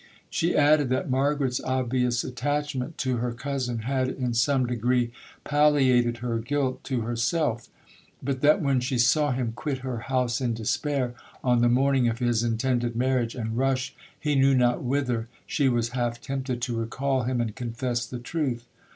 She added, that Margaret's obvious attachment to her cousin had, in some degree, palliated her guilt to herself; but that, when she saw him quit her house in despair on the morning of his intended marriage, and rush he knew not whither, she was half tempted to recall him, and confess the truth.